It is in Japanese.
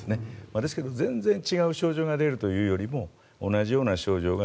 ですけど、全然違う症状が出るというよりも同じような症状が